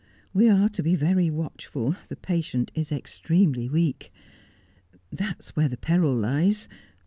We ar& to be very watchful. The patient is extremely weak. That's where the peril lies.